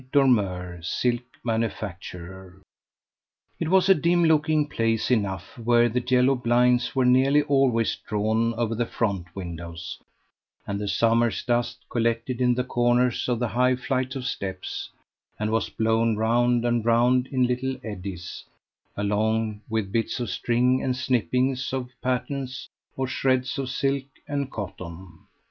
Dormeur, Silk Manufacturer." It was a dim looking place enough, where the yellow blinds were nearly always drawn over the front windows, and the summer's dust collected in the corners of the high flight of steps, and was blown round and round in little eddies, along with bits of string and snippings of patterns or shreds of silk and cotton.